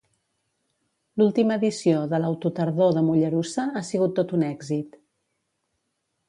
L'última edició de l'Autotardor de Mollerussa ha sigut tot un èxit.